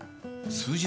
数字？